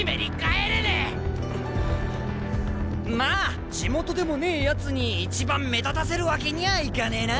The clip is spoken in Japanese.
まあ地元でもねえやつに一番目立たせるわけにゃいかねえな。